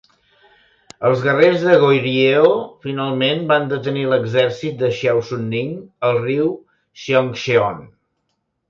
Els guerrers de Goryeo finalment van detenir l'exèrcit de Xiao Sunning al riu Cheongcheon.